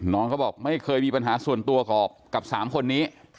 น้องเขาบอกไม่เคยมีปัญหาส่วนตัวกับ๓คนนี้